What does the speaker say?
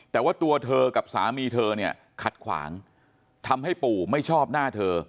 แต่ว่าตัวเธอกับสามีเธอเนี่ยขัดขวางทำให้ปู่ไม่ชอบหน้าเธอ